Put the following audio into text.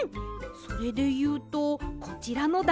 それでいうとこちらのだごなるどは。